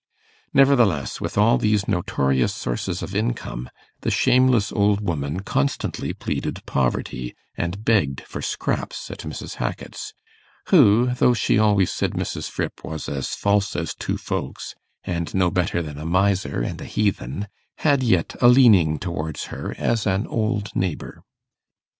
Nevertheless, with all these notorious sources of income, the shameless old woman constantly pleaded poverty, and begged for scraps at Mrs. Hackit's, who, though she always said Mrs. Fripp was 'as false as two folks', and no better than a miser and a heathen, had yet a leaning towards her as an old neighbour.